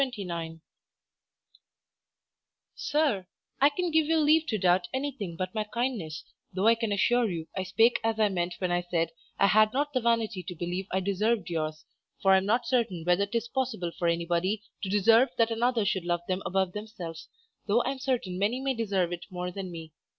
_ SIR, I can give you leave to doubt anything but my kindness, though I can assure you I spake as I meant when I said I had not the vanity to believe I deserv'd yours, for I am not certain whether 'tis possible for anybody to deserve that another should love them above themselves, though I am certain many may deserve it more than me.